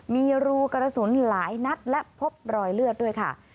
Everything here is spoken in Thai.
มีรูกระสุนหลายนัดและพบรอยเลือดด้วยค่ะ